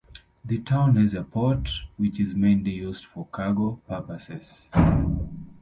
The town has a port, which is mainly used for cargo purposes.